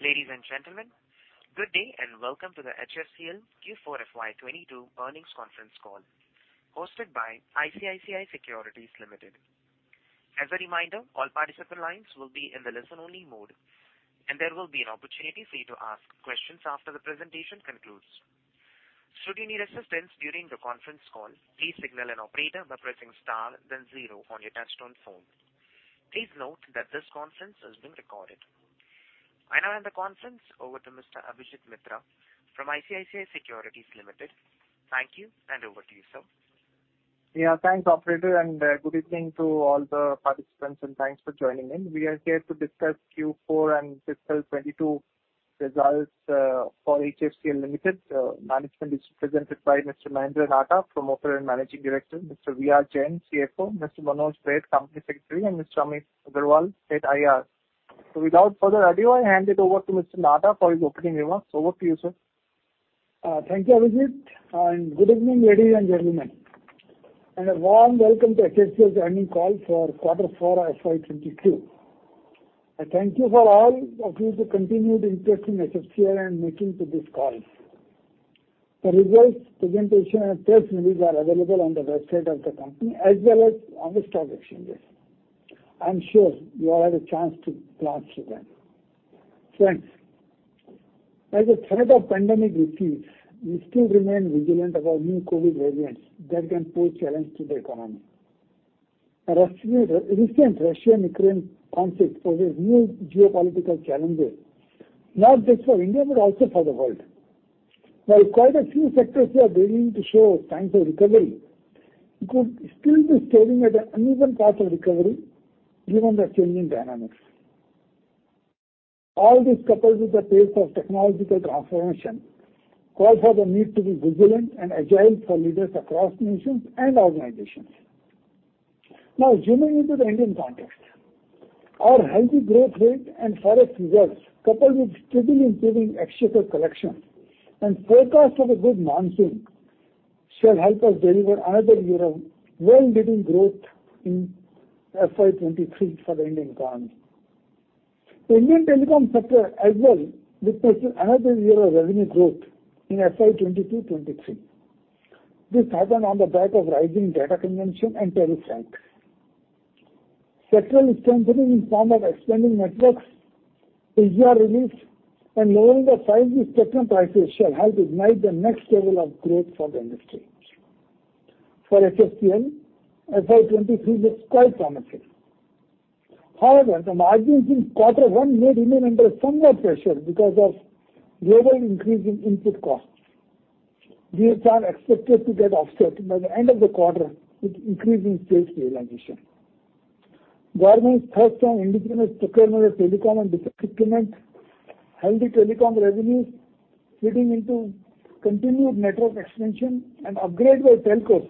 Ladies and gentlemen, good day and welcome to the HFCL Q4 FY 2022 Earnings Conference Call hosted by ICICI Securities Limited. As a reminder, all participant lines will be in the listen-only mode, and there will be an opportunity for you to ask questions after the presentation concludes. Should you need assistance during the conference call, please signal an operator by pressing star then zero on your touchtone phone. Please note that this conference is being recorded. I now hand the conference over to Mr. Abhijit Mitra from ICICI Securities Limited. Thank you, and over to you, sir. Thanks, operator, and good evening to all the participants, and thanks for joining in. We are here to discuss Q4 and fiscal 2022 results for HFCL Limited. Management is presented by Mr. Mahendra Nahata, Promoter and Managing Director, Mr. V.R. Jain, CFO, Mr. Manoj Baid, Company Secretary, and Mr. Amit Agarwal, Head IR. Without further ado, I hand it over to Mr. Nahata for his opening remarks. Over to you, sir. Thank you, Abhijit, and good evening, ladies and gentlemen, and a warm welcome to HFCL's earnings call for Q4 of FY 2022. I thank all of you for continuing the interest in HFCL and making it to this call. The results, presentation, and press release are available on the website of the company as well as on the stock exchanges. I'm sure you all had a chance to glance through them. Friends, as the threat of pandemic recedes, we still remain vigilant about new COVID variants that can pose challenge to the economy. A recent Russian-Ukraine conflict poses new geopolitical challenges, not just for India, but also for the world. While quite a few sectors were beginning to show signs of recovery, we could still be staring at an uneven path of recovery given the changing dynamics. All this, coupled with the pace of technological transformation, call for the need to be vigilant and agile for leaders across nations and organizations. Now, zooming into the Indian context, our healthy growth rate and robust results, coupled with steadily improving tax collections and forecast of a good monsoon, shall help us deliver another year of world-leading growth in FY 2023 for the Indian economy. The Indian telecom sector as well witnesses another year of revenue growth in FY 2022-2023. This happened on the back of rising data consumption and telco spend. Sector is strengthening in form of expanding networks, 5G release, and lowering the 5G spectrum prices shall help ignite the next level of growth for the industry. For HFCL, FY 2023 looks quite promising. However, the margins in quarter 1 may remain under some more pressure because of global increase in input costs. These are expected to get offset by the end of the quarter with increase in sales realization. Government's thrust on indigenous procurement of telecom and defense equipment, healthy telecom revenues feeding into continued network expansion and upgrade by telcos,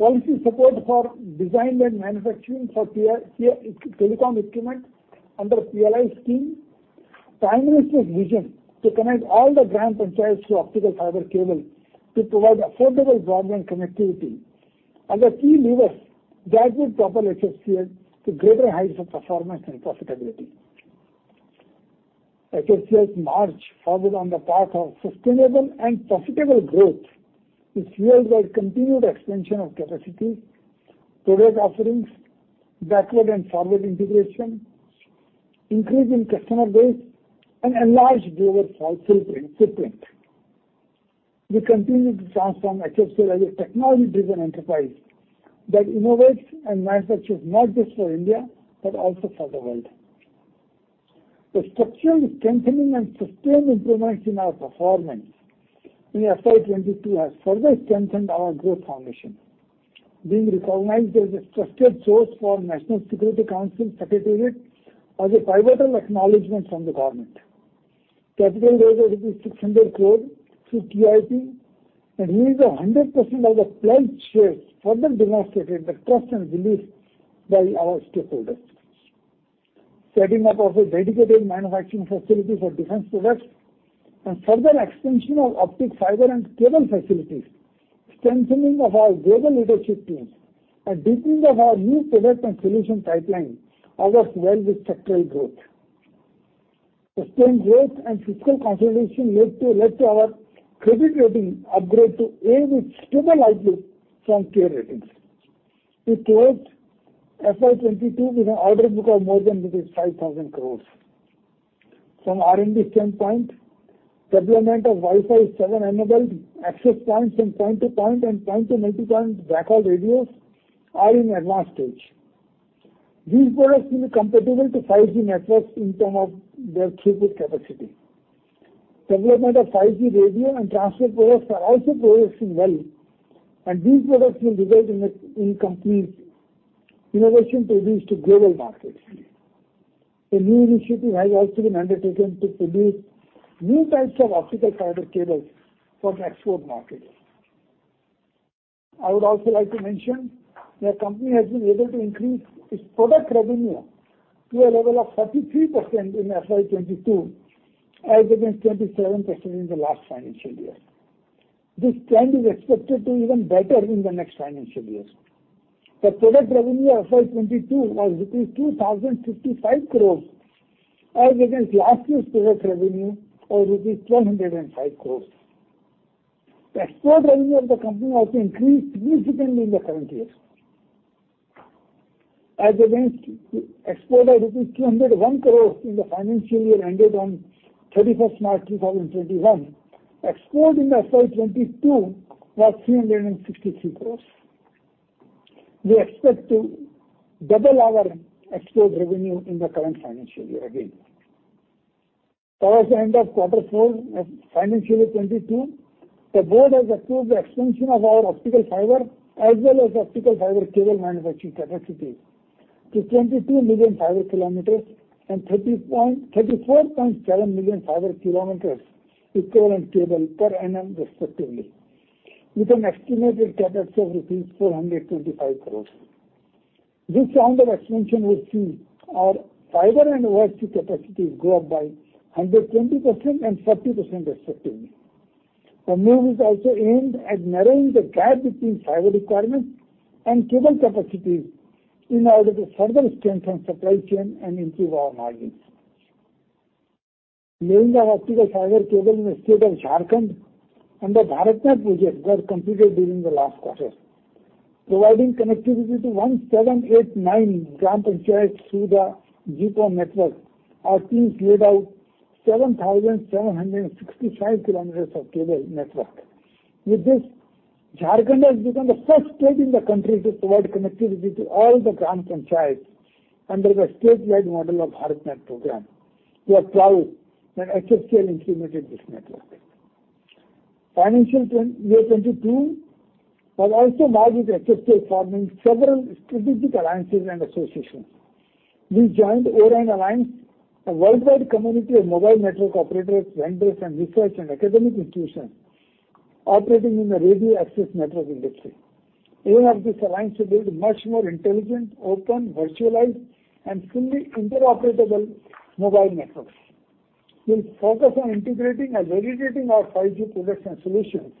policy support for design and manufacturing for PR telecommunications equipment under PLI scheme, Prime Minister's vision to connect all the gram panchayats through optical fiber cable to provide affordable broadband connectivity are the key levers that will propel HFCL to greater heights of performance and profitability. HFCL's march forward on the path of sustainable and profitable growth is fueled by continued expansion of capacity, product offerings, backward and forward integration, increase in customer base, and enlarged global footprint. We continue to transform HFCL as a technology-driven enterprise that innovates and manufactures, not just for India, but also for the world. The structural strengthening and sustained improvements in our performance in FY 2022 has further strengthened our growth foundation. Being recognized as a trusted source for National Security Council Secretariat is a pivotal acknowledgement from the government. Capital raise of INR 600 crore through QIP and raise of 100% of the pledge shares further demonstrated the trust and belief by our stakeholders. Setting up of a dedicated manufacturing facility for defense products and further expansion of optic fiber and cable facilities, strengthening of our global leadership team, and deepening of our new product and solution pipeline augurs well with structural growth. Sustained growth and fiscal consolidation led to our credit rating upgrade to A with stable outlook from CARE Ratings. We closed FY 2022 with an order book of more than 5,000 crores. From R&D standpoint, deployment of Wi-Fi seven enabled access points from point to point and point to multipoint backhaul radios are in advanced stage. These products will be comparable to 5G networks in terms of their throughput capacity. Development of 5G radio and transfer products are also progressing well, and these products will result in company's innovation produced to global markets. A new initiative has also been undertaken to produce new types of optical fiber cables for export markets. I would also like to mention that company has been able to increase its product revenue to a level of 33% in FY 2022 as against 27% in the last financial year. This trend is expected to even better in the next financial year. The product revenue of FY 2022 was 2,055 crores rupees as against last year's product revenue of rupees 1,005 crores. The export revenue of the company has increased significantly in the current year. As against export of INR 201 crores in the financial year ended on thirty-first March 2021, export in FY 2022 was 363 crores. We expect to double our export revenue in the current financial year again. Towards the end of Q4 of financial year 2022, the board has approved the expansion of our optical fiber as well as optical fiber cable manufacturing capacity to 22 million fiber kilometers and 34 point seven million fiber kilometers equivalent cable per annum, respectively, with an estimated CapEx of rupees 425 crores. This round of expansion will see our fiber and OSP capacities grow by 120% and 40% respectively. The move is also aimed at narrowing the gap between fiber requirements and cable capacities in order to further strengthen supply chain and improve our margins. Laying of optical fiber cable in the state of Jharkhand under BharatNet project was completed during the last quarter. Providing connectivity to 1,789 gram panchayats through the GPON network, our team laid out 7,765 kilometers of cable network. With this, Jharkhand has become the first state in the country to provide connectivity to all the gram panchayats under the statewide model of BharatNet program. We are proud that HFCL implemented this network. Financial year 2022 was also marked with HFCL forming several strategic alliances and associations. We joined, a worldwide community of mobile network operators, vendors, and research and academic institutions operating in the radio access network industry. The aim of this alliance is to build O-RAN Alliance more intelligent, open, virtualized, and fully interoperable mobile networks. We'll focus on integrating and validating our 5G products and solutions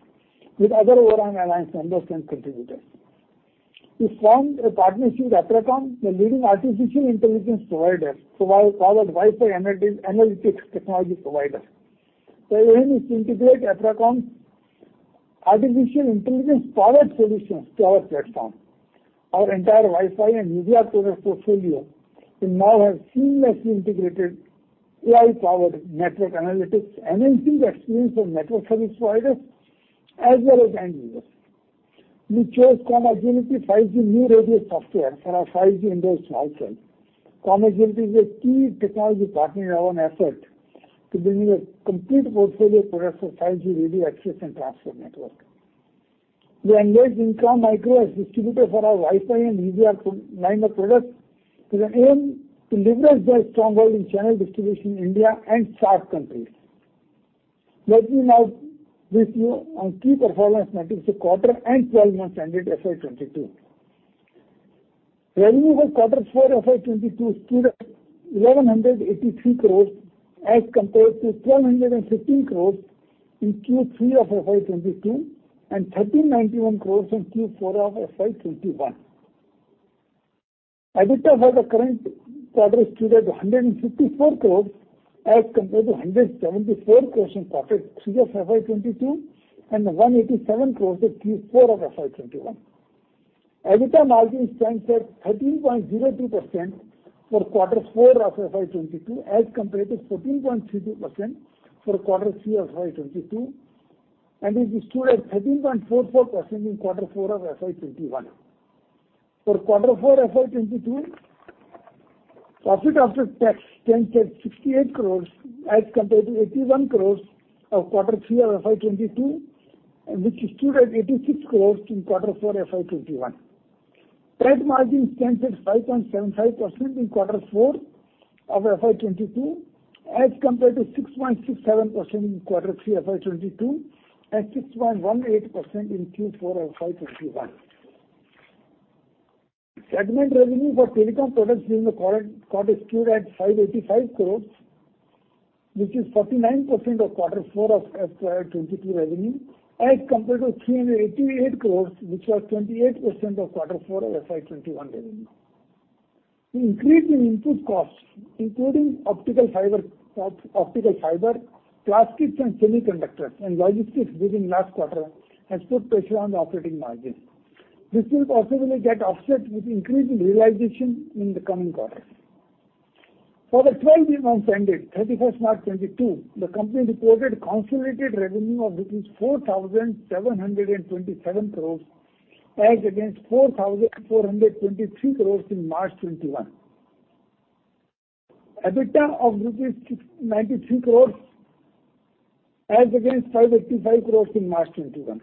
with other O-RAN Alliance members and contributors. We formed a partnership with Aprecomm, a leading artificial intelligence provider providing AI-powered Wi-Fi analytics technology provider. The aim is to integrate Aprecomm's artificial intelligence-powered solutions to our platform. Our entire Wi-Fi and media product portfolio will now have seamlessly integrated AI-powered network analytics, enhancing the experience for network service providers as well as end users. We chose CommAgility 5G New Radio software for our 5G indoor small cell. CommAgility is a key technology partner in our effort to bring a complete portfolio of products for 5G radio access and transport network. We engaged Ingram Micro as distributor for our Wi-Fi and media line of products with an aim to leverage their strong hold in channel distribution in India and SAARC countries. Let me now brief you on key performance metrics for quarter and twelve months ended FY 2022. Revenue for Q4 FY 2022 stood at INR 1,183 crores as compared to INR 1,215 crores in Q3 of FY 2022 and INR 1,391 crores in Q4 of FY 2021. EBITDA for the current quarter stood at 154 crores as compared to 174 crores in quarter three of FY 2022 and INR 187 crores at Q4 of FY 2021. EBITDA margin stands at 13.02% for Q4 of FY 22 as compared to 14.32% for Q3 of FY 22 and it stood at 13.44% in Q4 of FY 21. For Q4 FY 22, profit after tax stands at 68 crore as compared to 81 crore of Q3 of FY 22 and which stood at INR 86 crore in Q4 FY 21. Net margin stands at 5.75% in Q4 of FY 22 as compared to 6.67% in Q3 FY 22 and 6.18% in Q4 of FY 21. Segment revenue for telecom products during the quarter stood at 585 crores, which is 49% of Q4 of FY 2022 revenue as compared to 388 crores, which was 28% of Q4 of FY 2021 revenue. The increase in input costs, including optical fiber, plastics and semiconductors and logistics during last quarter has put pressure on the operating margins. This will possibly get offset with increase in realization in the coming quarters. For the twelve months ended 31 March 2022, the company reported consolidated revenue of 4,727 crores as against 4,423 crores in March 2021. EBITDA of 693 crores as against 585 crores in March 2021.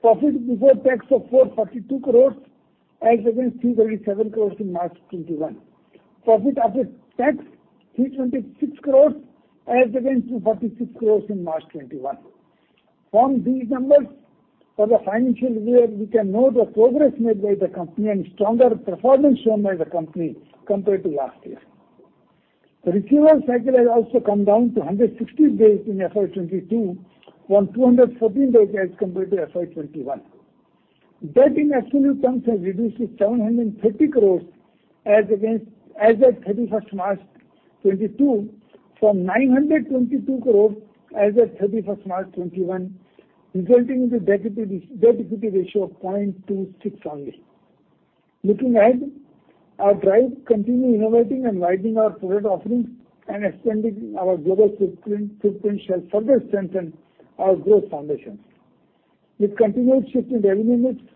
Profit before tax of 442 crores as against 337 crores in March 2021. Profit after tax, 326 crore as against 246 crore in March 2021. From these numbers for the financial year, we can know the progress made by the company and stronger performance shown by the company compared to last year. Receivables cycle has also come down to 160 days in FY 2022 from 214 days as compared to FY 2021. Debt in absolute terms has reduced to 730 crore as at 31 March 2022 from 922 crore as at 31 March 2021, resulting in the debt equity ratio of 0.26 only. Looking ahead, our drive to continue innovating and widening our product offerings and expanding our global footprint shall further strengthen our growth foundations. With continued shift in demographics,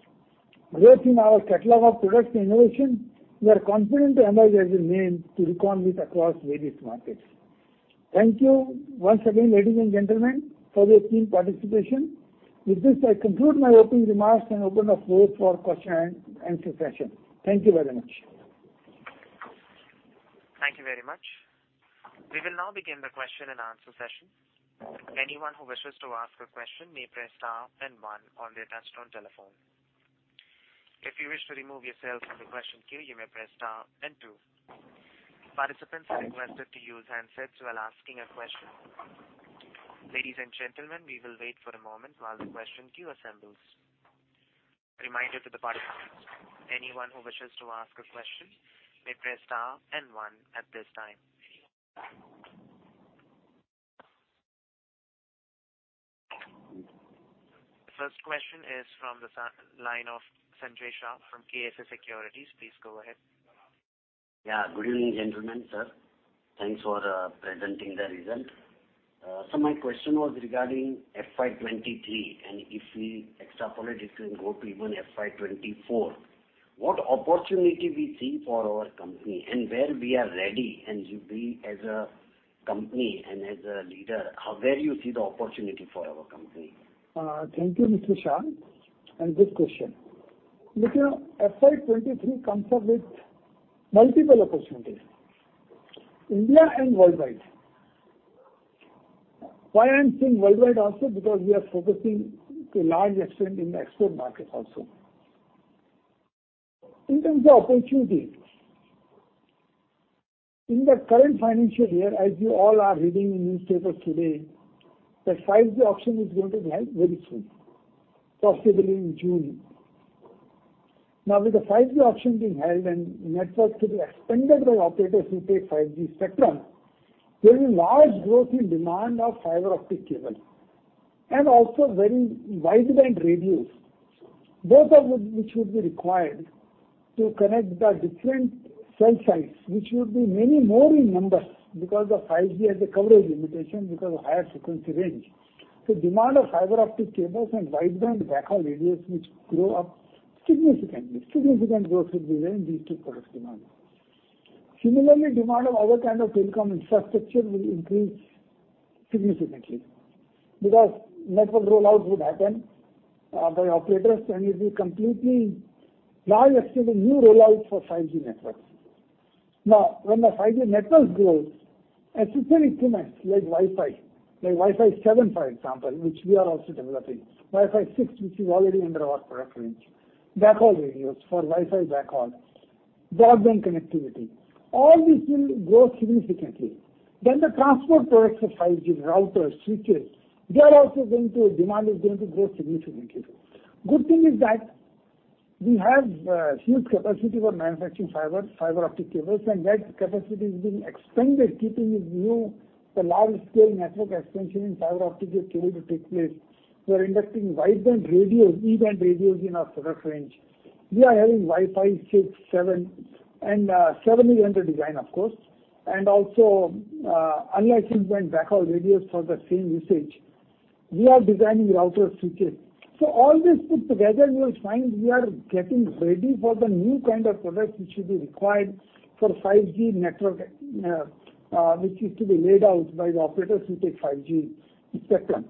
growth in our catalog of products and innovation, we are confident that HFCL has remained a force to reckon with across various markets. Thank you once again, ladies and gentlemen, for your keen participation. With this, I conclude my opening remarks and open the floor for question and answer session. Thank you very much. Thank you very much. We will now begin the question-and-answer session. Anyone who wishes to ask a question may press star and one on their touch-tone telephone. If you wish to remove yourself from the question queue, you may press star and two. Participants are requested to use handsets while asking a question. Ladies and gentlemen, we will wait for a moment while the question queue assembles. Reminder to the participants, anyone who wishes to ask a question may press star and one at this time. First question is from the line of Sanjay Shah from KSA Securities. Please go ahead. Yeah. Good evening, gentlemen, sir. Thanks for presenting the results. My question was regarding FY 2023, and if we extrapolate it and go to even FY 2024, what opportunity we see for our company and where we are ready, and you be as a company and as a leader, where you see the opportunity for our company? Thank you, Mr. Shah, and good question. Look here, FY 2023 comes up with multiple opportunities, India and worldwide. Why I'm saying worldwide also because we are focusing to a large extent in the export market also. In terms of opportunities, in the current financial year, as you all are reading in newspapers today, the 5G auction is going to be held very soon, possibly in June. Now, with the 5G auction being held and networks to be expanded by operators who take 5G spectrum, there is large growth in demand of fiber optic cable and also very wideband radios. Both are which would be required to connect the different cell sites, which would be many more in number because the 5G has a coverage limitation because of higher frequency range. Demand of fiber optic cables and wideband backhaul radios which grow up significantly. Significant growth will be there in these two products demand. Similarly, demand of other kind of telecom infrastructure will increase significantly because network roll-outs would happen by operators, and it will be completely large extent of new roll-out for 5G networks. Now, when the 5G networks grows, accessory equipments like Wi-Fi, like Wi-Fi seven, for example, which we are also developing, Wi-Fi 6, which is already under our product range, backhaul radios for Wi-Fi backhaul, broadband connectivity, all these will grow significantly. The transport products for 5G, routers, switches, demand is going to grow significantly. Good thing is that we have huge capacity for manufacturing fiber optic cables, and that capacity is being expanded keeping with new, the large scale network expansion in fiber optic cable to take place. We are inducting wideband radios, E-band radios in our product range. We are having Wi-Fi 6, 7, and seven is under design, of course, and also unlicensed band backhaul radios for the same usage. We are designing router switches. All this put together, you will find we are getting ready for the new kind of products which should be required for 5G network, which is to be laid out by the operators who take 5G spectrum.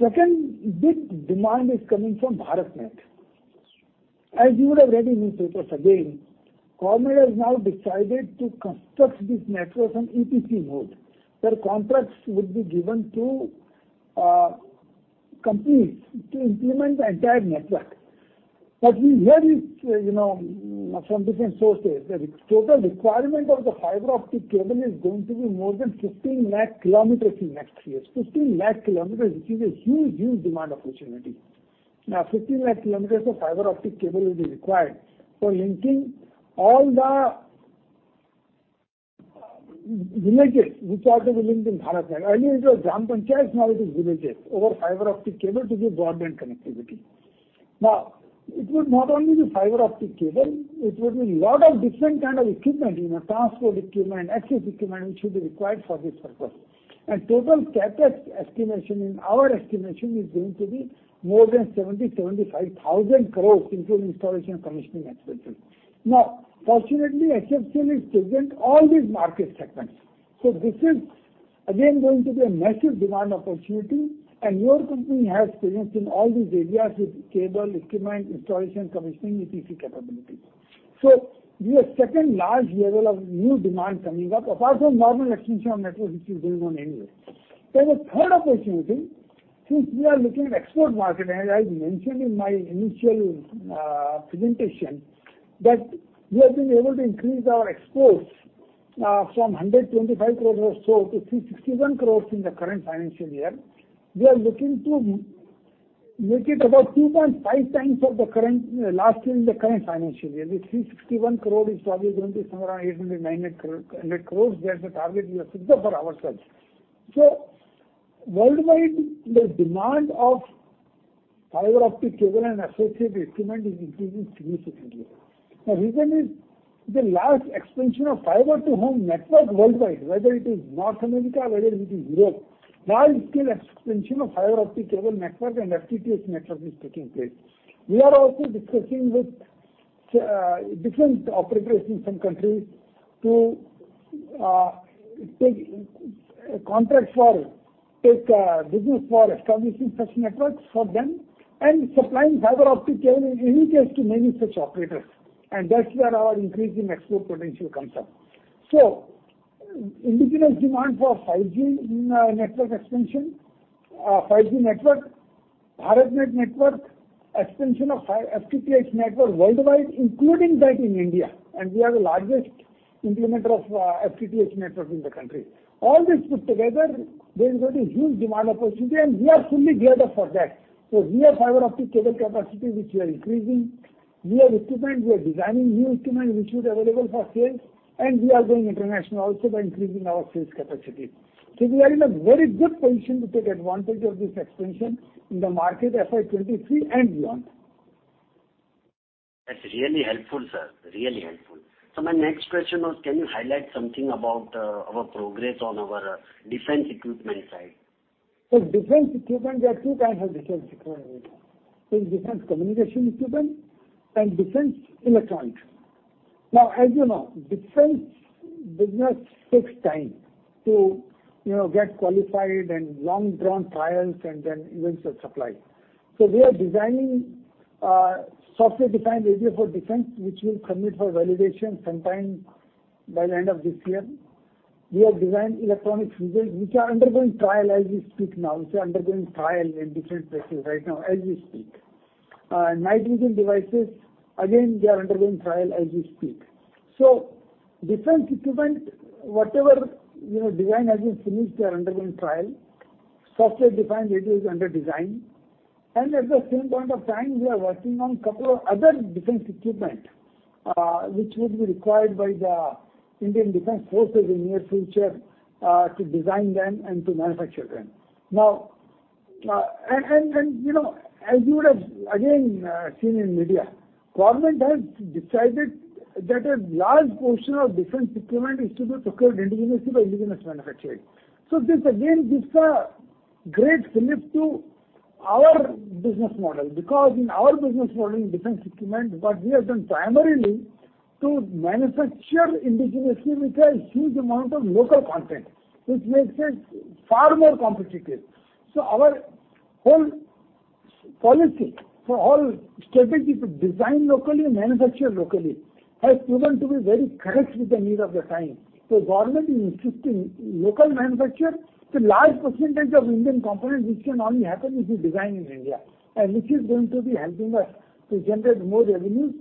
Second big demand is coming from BharatNet. As you would have read in newspapers again, government has now decided to construct these networks on EPC mode, where contracts would be given to companies to implement the entire network. We hear it, you know, from different sources that total requirement of the fiber optic cable is going to be more than 15 lakh kilometers in next years. 15 lakh kilometers, which is a huge demand opportunity. Now, 15 lakh kilometers of fiber optic cable will be required for linking all the villages which are to be linked in BharatNet. Earlier it was gram panchayats, now it is villages over fiber optic cable to give broadband connectivity. Now, it will not only be fiber optic cable, it would be a lot of different kind of equipment, you know, transport equipment, access equipment, which will be required for this purpose. Total CapEx estimation, in our estimation, is going to be more than 70,000-75,000 crores, including installation and commissioning expenses. Now, fortunately, HFCL is present in all these market segments. This is again going to be a massive demand opportunity and your company has presence in all these areas with cable, equipment, installation, commissioning, EPC capability. We have second large level of new demand coming up apart from normal extension of network which will go on anyway. The third opportunity, since we are looking at export market, and as I mentioned in my initial presentation. We have been able to increase our exports from 125 crore or so to 361 crore in the current financial year. We are looking to make it about 2.5 times of the current last year in the current financial year. The 361 crore is probably going to be somewhere around 800 crore-900 crore. That's the target we have fixed up for ourselves. Worldwide, the demand of fiber optic cable and associated equipment is increasing significantly. The reason is the large expansion of fiber to home network worldwide, whether it is North America, whether it is Europe, large scale expansion of fiber optic cable network and FTTH network is taking place. We are also discussing with different operators in some countries to take contract for business for establishing such networks for them and supplying fiber optic cable in any case to many such operators. That's where our increase in export potential comes from. Indigenous demand for 5G in network expansion, 5G network, BharatNet network, expansion of FTTH network worldwide, including that in India, and we are the largest implementer of FTTH networks in the country. All this put together, there is going to be huge demand opportunity, and we are fully geared up for that. We have fiber optic cable capacity, which we are increasing. We have equipment, we are designing new equipment which will be available for sale, and we are going international also by increasing our sales capacity. We are in a very good position to take advantage of this expansion in the market FY 23 and beyond. That's really helpful, sir. Really helpful. My next question was, can you highlight something about our progress on our defense equipment side? Defense equipment, there are two types of defense equipment. There's defense communication equipment and defense electronics. Now, as you know, defense business takes time to, you know, get qualified and long-drawn trials and then orders of supply. We are designing software-defined radio for defense, which will submit for validation sometime by the end of this year. We have designed electronic fuzes which are undergoing trial as we speak now. It's undergoing trial in different places right now as we speak. Night vision devices, again, they are undergoing trial as we speak. Defense equipment, whatever, you know, design has been finished, they are undergoing trial. Software-defined radio is under design. At the same point of time, we are working on couple of other defense equipment, which would be required by the Indian defense forces in near future, to design them and to manufacture them. Now, you know, as you would have again seen in media, government has decided that a large portion of defense procurement is to be procured indigenously by indigenous manufacturers. This again gives a great fillip to our business model, because in our business model in defense equipment, what we have done primarily to manufacture indigenously with a huge amount of local content, which makes us far more competitive. Our whole policy for all strategy to design locally and manufacture locally has proven to be very correct with the need of the time. Government is insisting local manufacture to large percentage of Indian components, which can only happen if you design in India, and which is going to be helping us to generate more revenue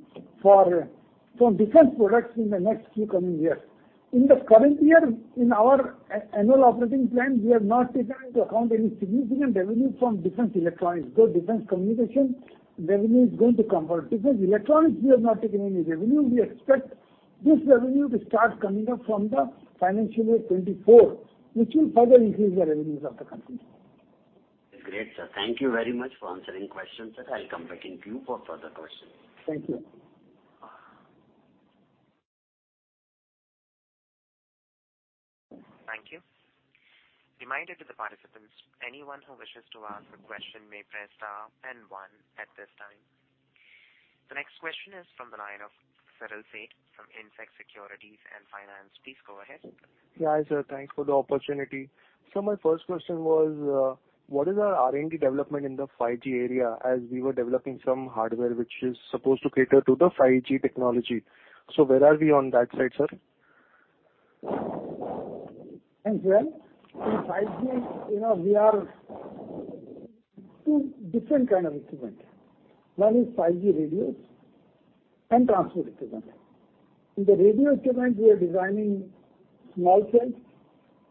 for, from defense products in the next few coming years. In the current year, in our annual operating plan, we have not taken into account any significant revenue from defense electronics, though defense communication revenue is going to come. Defense electronics, we have not taken any revenue. We expect this revenue to start coming up from the financial year 2024, which will further increase the revenues of the company. Great, sir. Thank you very much for answering questions, sir. I'll come back in queue for further questions. Thank you. Thank you. Reminder to the participants, anyone who wishes to ask a question may press star and one at this time. The next question is from the line of Saral Seth from Indsec Securities and Finance. Please go ahead. Yeah, sir. Thanks for the opportunity. My first question was, what is our R&D development in the 5G area as we were developing some hardware which is supposed to cater to the 5G technology. Where are we on that side, sir? Well, in 5G, you know, we are two different kind of equipment. One is 5G radios and transfer equipment. In the radio equipment, we are designing small cells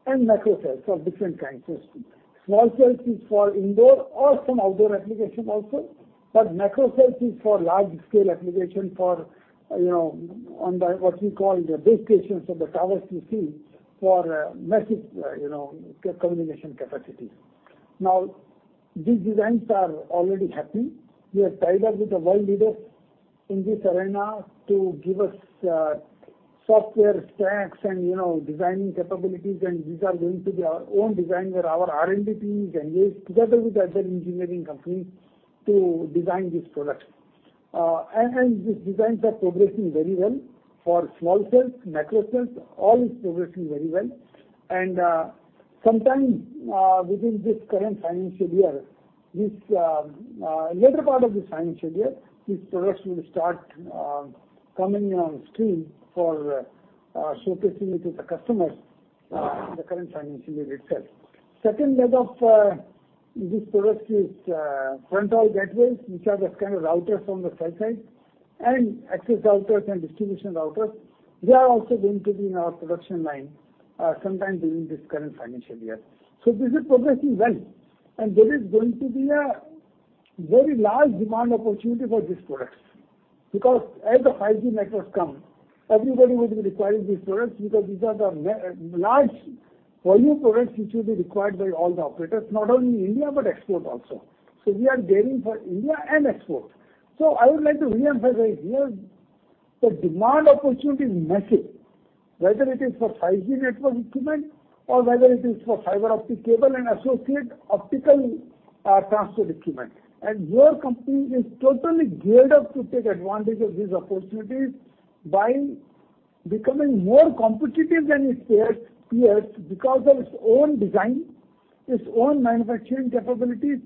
and macro cells of different kinds. Small cells is for indoor or some outdoor application also, but macro cells is for large scale application for, you know, on the, what we call the base stations or the towers you see for massive, you know, communication capacity. Now, these designs are already happening. We are tied up with the world leaders in this arena to give us software stacks and, you know, designing capabilities. These are going to be our own design, where our R&D team is engaged together with other engineering companies to design these products. These designs are progressing very well. For small cells, macro cells, all is progressing very well. Sometime within this current financial year, this latter part of this financial year, these products will start coming on stream for showcasing it to the customers in the current financial year itself. Second leg of this product is fronthaul gateways, which are the kind of routers on the site side and access routers and distribution routers. They are also going to be in our production line sometime during this current financial year. This is progressing well, and there is going to be a very large demand opportunity for these products. Because as the 5G networks come, everybody will be requiring these products because these are the high-volume products which will be required by all the operators, not only India, but export also. We are gearing for India and export. I would like to reemphasize here, the demand opportunity is massive, whether it is for 5G network equipment or whether it is for fiber optic cable and associated optical transfer equipment. Your company is totally geared up to take advantage of these opportunities by becoming more competitive than its peers because of its own design, its own manufacturing capabilities,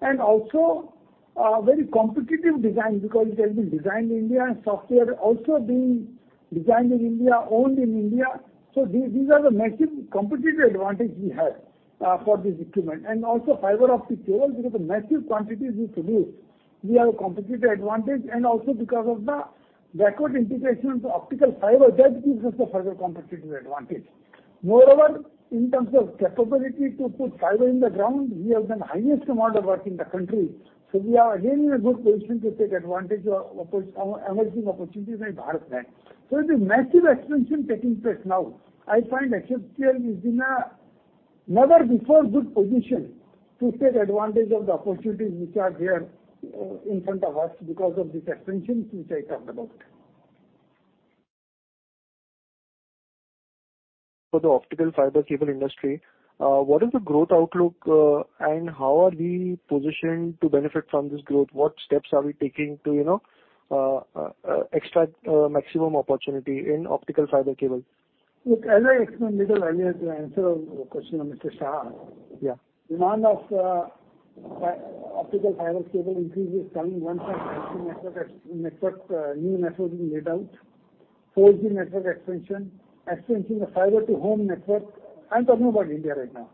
and also very competitive design because it has been designed in India and software also being designed in India, owned in India. These are the massive competitive advantage we have for this equipment and also fiber optic cable because the massive quantities we produce, we have a competitive advantage and also because of the backward integration into optical fiber, that gives us a further competitive advantage. Moreover, in terms of capability to put fiber in the ground, we have done highest amount of work in the country, so we are again in a good position to take advantage of emerging opportunities in BharatNet. The massive expansion taking place now, I find HFCL is in a never before good position to take advantage of the opportunities which are there, in front of us because of this expansion which I talked about. For the optical fiber cable industry, what is the growth outlook, and how are we positioned to benefit from this growth? What steps are we taking to, you know, extract maximum opportunity in optical fiber cable? Look, as I explained a little earlier to answer your question, Mr. Shah. Yeah. Demand for fiber optic cable increases coming from new network being laid out, 4G network expansion of fiber to home network. I'm talking about India right now.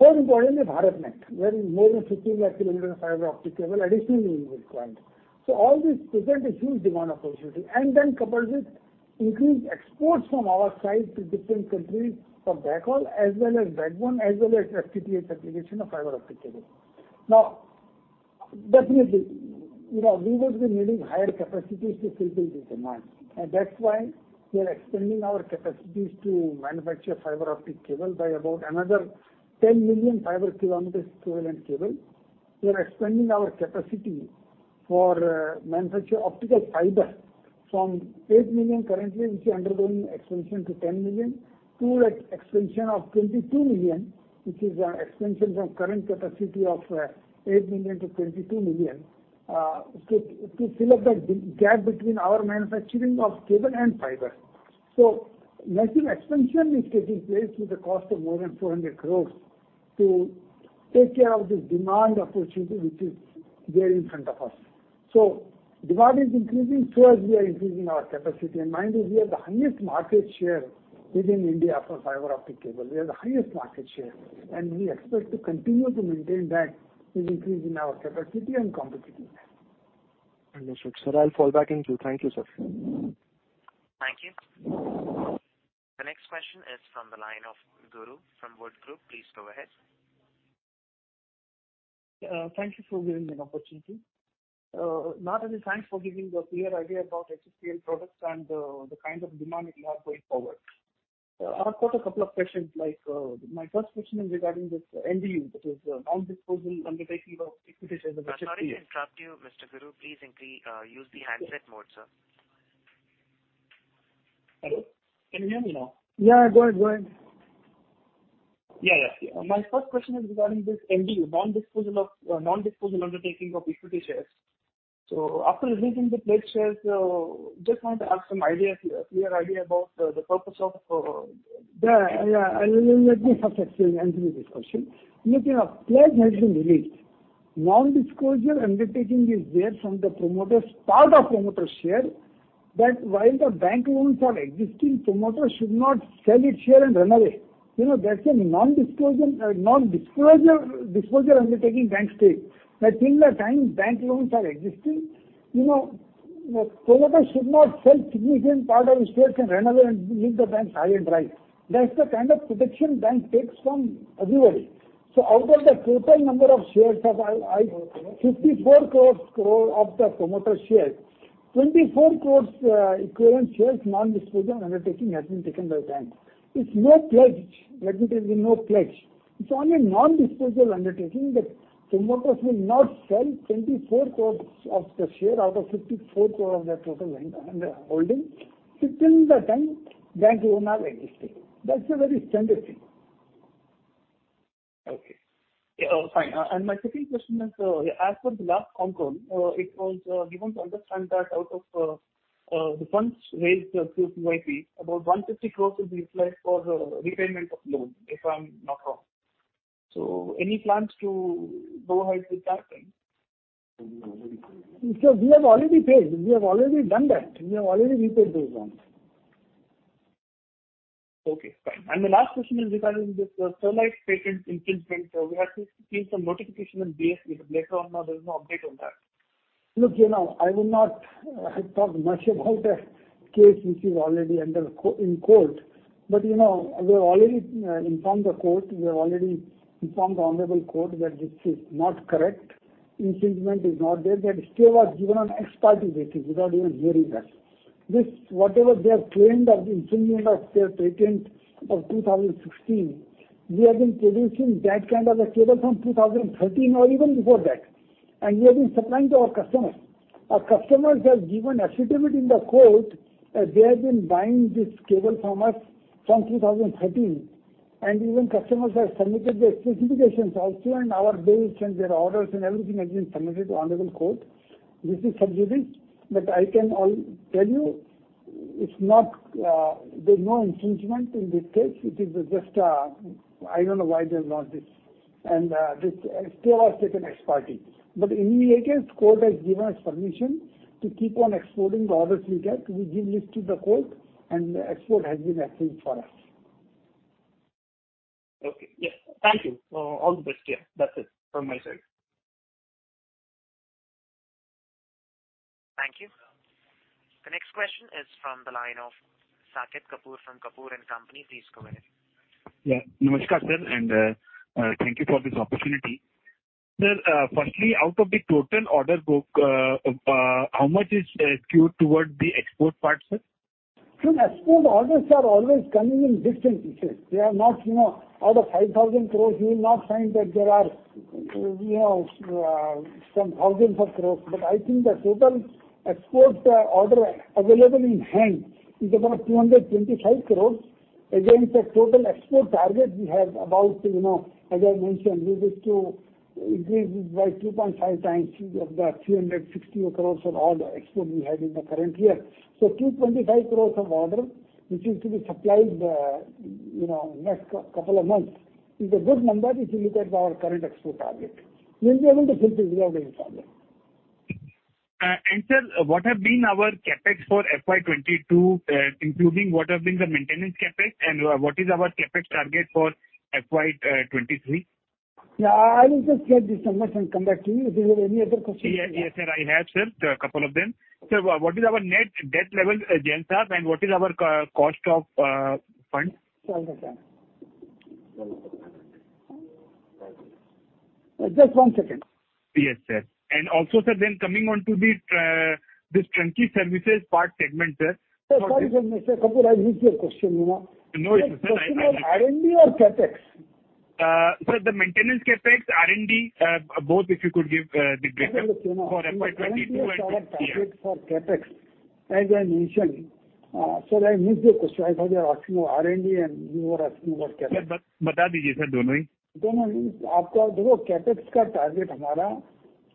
More importantly, BharatNet, wherein more than 15 lakh kilometers of fiber optic cable additionally will be required. All these present a huge demand opportunity, and then coupled with increased exports from our side to different countries for backhaul as well as backbone as well as FTTH application of fiber optic cable. Now, definitely, you know, we would be needing higher capacities to fulfill this demand. That's why we are expanding our capacities to manufacture fiber optic cable by about another 10 million fiber kilometers equivalent cable. We are expanding our capacity for manufacturing optical fiber from 8 million currently, which is undergoing expansion to 10 million, to expansion of 22 million, which is expansion from current capacity of 8 million to 22 million, to fill up that gap between our manufacturing of cable and fiber. Massive expansion is taking place with the cost of more than 400 crores to take care of the demand opportunity which is there in front of us. Demand is increasing so as we are increasing our capacity. Mind you, we have the highest market share within India for fiber optic cable. We have the highest market share, and we expect to continue to maintain that with increase in our capacity and competitiveness. Understood, sir. I'll fall back in queue. Thank you, sir. Thank you. The next question is from the line of Guru from Wood Group. Please go ahead. Thank you for giving me an opportunity. Not only thanks for giving the clear idea about HFCL products and the kind of demand we have going forward. I've got a couple of questions, like, my first question is regarding this NDU, that is Non-Disposal Undertaking of Equity Shares of HFCL. Sorry to interrupt you, Mr. Guru. Please use the handset mode, sir. Hello, can you hear me now? Yeah, go ahead, go ahead. My first question is regarding this NDU, Non-Disposal Undertaking of Equity Shares. After releasing the pledged shares, just want to have some idea, clear idea about the purpose of, Yeah, yeah. Let me first explain, answer this question. Listen up. Pledge has been released. Non-Disposal Undertaking is there from the promoters, part of promoter share, that while the bank loans are existing, promoters should not sell its share and run away. You know, that's a Non-Disposal Undertaking banks take. That till the time bank loans are existing, you know, promoters should not sell significant part of his shares and run away and leave the banks high and dry. That's the kind of protection bank takes from everybody. Out of the total number of shares of 54 crore of the promoter shares, 24 crore equivalent shares Non-Disposal Undertaking has been taken by the bank. It's no pledge. Let me tell you, no pledge. It's only Non-Disposal Undertaking that promoters will not sell 24 crore shares out of 54 crore of their total holding till the time bank loans are existing. That's a very standard thing. Okay. Yeah. Fine. My second question is, as per the last ConCall, it was given to understand that out of the funds raised through QIP, about 150 crore will be utilized for the repayment of loan, if I'm not wrong. Any plans to go ahead with that then? We have already paid. We have already done that. We have already repaid those loans. Okay, fine. The last question is regarding this Sterlite patent infringement. We have seen some notification on BSE. Later on now, there's no update on that. Look, you know, I will not talk much about a case which is already in court. You know, we've already informed the court. We have already informed the honorable court that this is not correct. Infringement is not there. That stay was given on ex parte basis, without even hearing us. This, whatever they have claimed as infringement of their patent of 2016, we have been producing that kind of a cable from 2013 or even before that. We have been supplying to our customers. Our customers have given affidavit in the court, that they have been buying this cable from us from 2013. Even customers have submitted their specifications also, and our bills and their orders and everything has been submitted to honorable court. This is sub judice. I can tell you, it's not, there's no infringement in this case. It is just, I don't know why they have launched this. This stay was taken ex parte. In any case, court has given us permission to keep on exporting the orders we get. We give list to the court, and the export has been approved for us. Okay. Yes. Thank you. All the best. Yeah. That's it from my side. Thank you. The next question is from the line of Saket Kapoor from Kapoor & Company. Please go ahead. Yeah. Namaskar, sir, and thank you for this opportunity. Sir, firstly, out of the total order book, how much is skewed towards the export part, sir? Export orders are always coming in different pieces. They are not, you know, out of 5,000 crores, you will not find that there are, you know, some thousands of crores. I think the total export order available in hand is about 225 crores, against the total export target we have about, you know, as I mentioned, we wish to increase it by 2.5 times of the 360 crores of order export we had in the current year. Two twenty-five crores of order, which is to be supplied, you know, next couple of months, is a good number if you look at our current export target. We'll be able to fulfill without any problem. Sir, what have been our CapEx for FY 2022, including what have been the maintenance CapEx, and what is our CapEx target for FY 2023? Yeah. I will just get this numbers and come back to you. If you have any other question. Yes. Yes, sir. I have, sir, a couple of them. Sir, what is our net debt level as of, and what is our cost of funds? Just one second. Yes, sir. Also, sir, then coming on to the, this turnkey services part segment, sir. Sir, sorry sir, Mr. Kapoor, I missed your question, you know. No, it's okay, sir. R&D or CapEx? Sir, the maintenance CapEx, R&D, both if you could give the breakup for FY 2022 and- Our target for CapEx, as I mentioned, sir, I missed your question. I thought you're asking R&D, and you were asking about CapEx. Sir, Don't know. Look, CapEx target,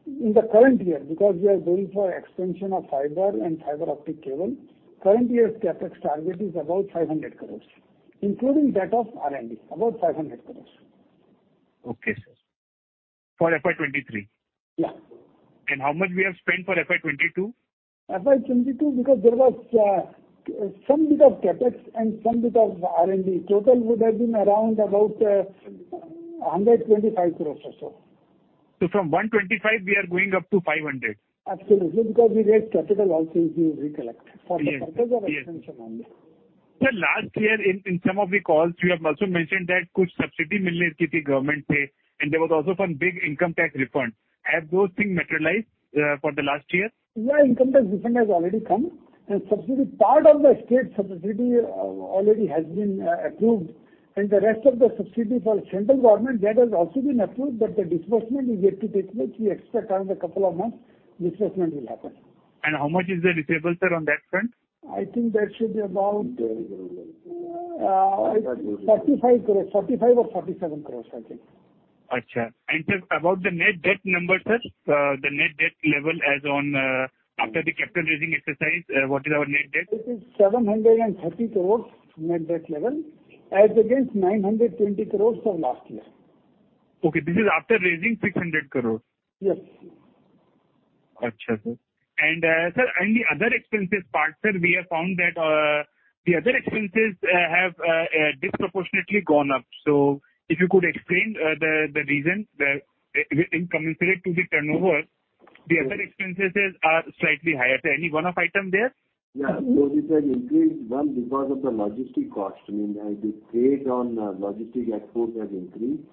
in the current year, because we are going for expansion of fiber and fiber optic cable, current year's CapEx target is about 500 crores, including that of R&D, about 500 crores. Okay, sir. For FY 2023? Yeah. How much we have spent for FY 2022? FY 22, because there was some bit of CapEx and some bit of R&D. Total would have been around about 125 crore or so. From 125, we are going up to 500. Absolutely, because we raised capital also if you recollect, for the purpose of expansion only. Sir, last year in some of the calls, you have also mentioned, and there was also some big income tax refund. Have those things materialized for the last year? Yeah, income tax refund has already come. Subsidy, part of the state subsidy, already has been approved. The rest of the subsidy for central government, that has also been approved, but the disbursement is yet to take place. We expect another couple of months, disbursement will happen. How much is the payable, sir, on that front? I think that should be about 35 crores, 35 or 47 crores, I think. Sir, about the net debt number, sir. The net debt level as on, after the capital raising exercise, what is our net debt? It is 730 crores net debt level, as against 920 crores for last year. Okay, this is after raising 600 crore. Yes. Sir, and the other expenses part, sir, we have found that the other expenses have disproportionately gone up. If you could explain the reason that incommensurate to the turnover, the other expenses are slightly higher. Any one-off item there? Yeah. This has increased, one, because of the logistics cost. I mean, the freight on logistics export has increased.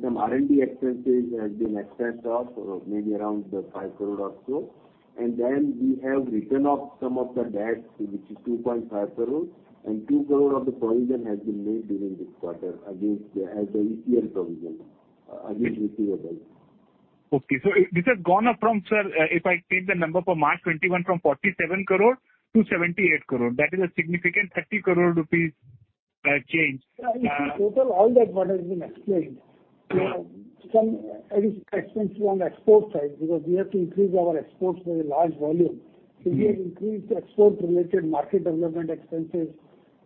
Some R&D expenses has been expensed off, maybe around, 5 crore or so. We have written off some of the debt, which is 2.5 crores, and 2 crore of the provision has been made during this quarter against, as the ECL provision, against receivables. This has gone up from, sir, if I take the number for March 2021 from 47 crore to 78 crore. That is a significant 30 crore rupees change. Sir, in total all that what has been explained. It is expensive on the export side because we have to increase our exports by a large volume. We have increased export related market development expenses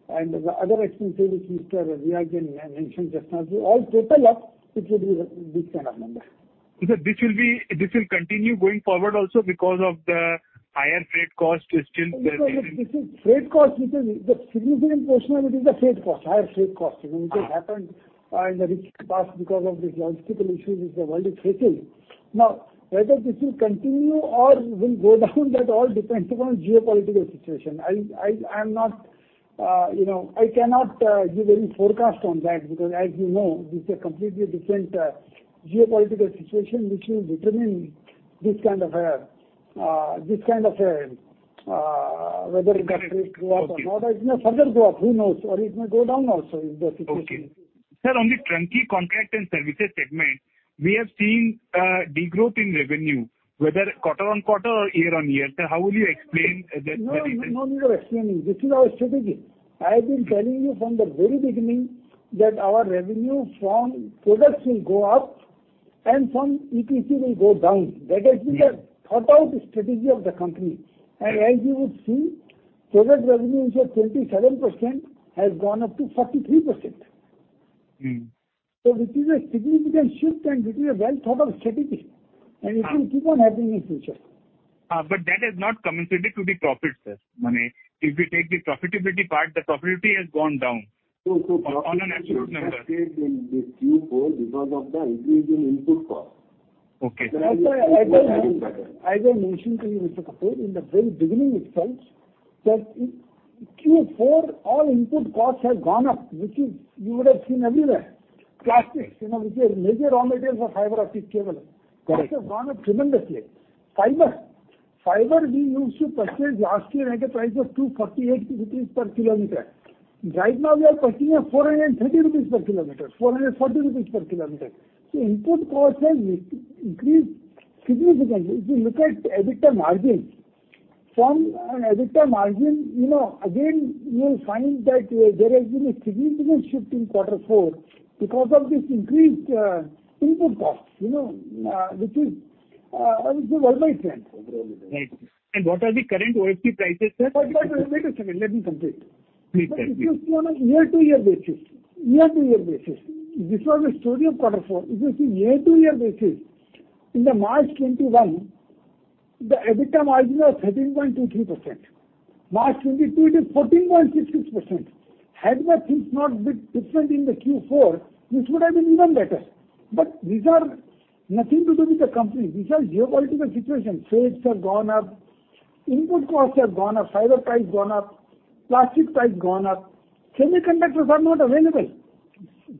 and the other expenses which Mr. V.R. Jain mentioned just now. All total up, it will be this kind of number. This will continue going forward also because of the higher freight cost is still there. Freight cost, which is the significant portion of it, is higher freight cost, you know. Yes. Which has happened in the recent past because of the logistical issues which the world is facing. Now, whether this will continue or will go down, that all depends upon geopolitical situation. I'm not, you know, I cannot give any forecast on that because as you know, this is a completely different geopolitical situation which will determine this kind of a whether it has to go up or not. Okay. It may further go up, who knows? Or it may go down also if the situation Okay. Sir, on the trunking contract and services segment, we have seen degrowth in revenue, whether quarter-on-quarter or year-on-year. How will you explain that? No, no need of explaining. This is our strategy. I have been telling you from the very beginning that our revenue from products will go up and from ETC will go down. That has been the thought-out strategy of the company. As you would see, product revenue which was 27% has gone up to 43%. This is a significant shift, and this is a well-thought-out strategy, and it will keep on happening in future. That has not commensurated to the profits, sir. I mean, if you take the profitability part, the profitability has gone down. Profitability. On an absolute number. Has stayed in the Q4 because of the increase in input cost. Okay. As I mentioned to you, Mr. Kapoor, in the very beginning itself, that in Q4, all input costs have gone up, which you would have seen everywhere. Plastics, you know, which is major raw material for fiber optic cable. Correct. Which has gone up tremendously. Fiber. Fiber we used to purchase last year at a price of INR 248 per kilometer. Right now, we are purchasing at 430 rupees per kilometer, INR 440 per kilometer. So input cost has increased significantly. If you look at EBITDA margin, from an EBITDA margin, you know, again, you will find that there has been a significant shift in Q4 because of this increased input costs, you know, which is worldwide trend. Right. What are the current OFC prices, sir? Wait a second. Let me complete. Please sir, please. If you see on a year-to-year basis, this was a story of quarter four. If you see year-to-year basis, in the March 2021, the EBITDA margin was 13.23%. March 2022, it is 14.66%. Had the things not been different in the Q4, this would have been even better. These are nothing to do with the company. These are geopolitical situation. Freight have gone up, input costs have gone up, fiber price gone up, plastic price gone up. Semiconductors are not available.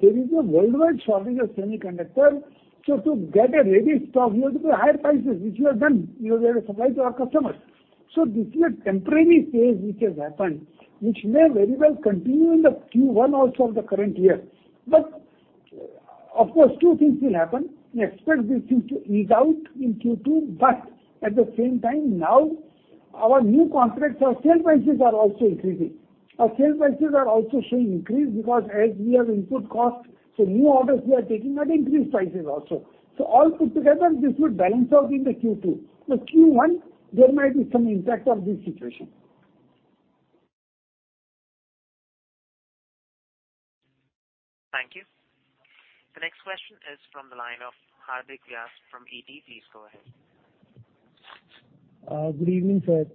There is a worldwide shortage of semiconductor. To get a ready stock, you have to pay higher prices, which we have done. We were able to supply to our customers. This is a temporary phase which has happened, which may very well continue in the Q1 also of the current year. Of course, two things will happen. We expect this thing to ease out in Q2, but at the same time now our new contracts, our sale prices are also increasing. Our sale prices are also showing increase because as we have input costs, so new orders we are taking at increased prices also. All put together, this will balance out in the Q2. Q1, there might be some impact of this situation. Thank you. The next question is from the line of Hardik Vyas from ETIG. Please go ahead. Good evening, sir.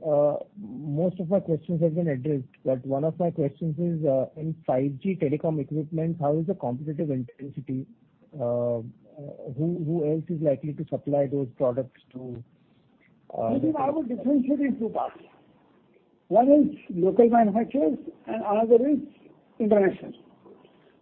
Most of my questions have been addressed, but one of my questions is, in 5G telecom equipment, how is the competitive intensity? Who else is likely to supply those products to, This is, I would differentiate in two parts. One is local manufacturers and another is international.